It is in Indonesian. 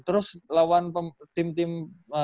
terus lawan tim tim